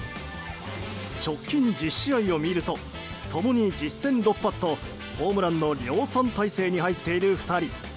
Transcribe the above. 直近１０試合を見ると共に実戦６発とホームランの量産体制に入っている２人。